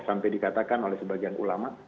sampai dikatakan oleh sebagian ulama